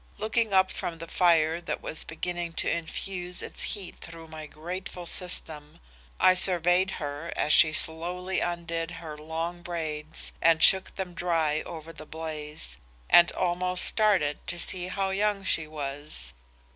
Looking up from the fire that was beginning to infuse its heat through my grateful system, I surveyed her as she slowly undid her long braids and shook them dry over the blaze, and almost started to see how young she was.